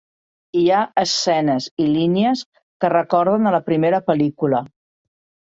Hi ha escenes i línies que recorden a la primera pel·lícula.